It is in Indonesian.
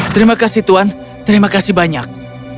terima kasih tuan terima kasih banyak